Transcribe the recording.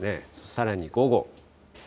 さらに午後。